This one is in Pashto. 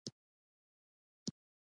د جوارو ډېسې ښکلې څڼکې لري.